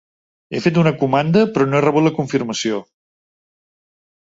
He fet una comanda però no he rebut la confirmació.